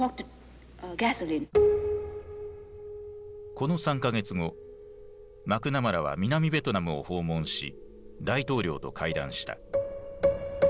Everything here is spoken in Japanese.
この３か月後マクナマラは南ベトナムを訪問し大統領と会談した。